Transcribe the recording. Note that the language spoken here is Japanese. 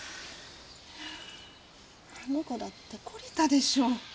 あの子だって懲りたでしょう。